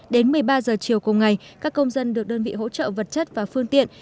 đến một mươi ba giờ chiều cùng ngày các công dân được đơn vị hỗ trợ vật chất và phương tiện